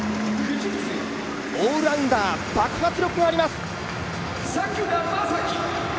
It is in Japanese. オールラウンダー、爆発力があります。